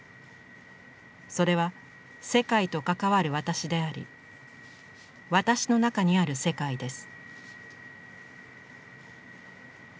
それは世界と関わる私であり私の中にある世界です。